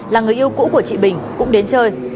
là người yêu cũ của chị bình cũng đến chơi